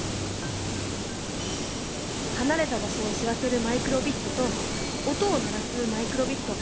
離れた場所を知らせるマイクロビットと音を鳴らすマイクロビット。